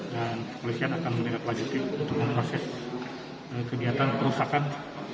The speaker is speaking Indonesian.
dan kepolisian akan meminta kewajiban untuk memproses kegiatan perusahaan